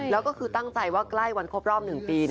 แล้วก็คือตั้งใจว่าใกล้วันครบรอบ๑ปี